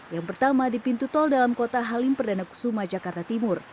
yang pertama di pintu tol dalam kota halim perdana kusuma jakarta timur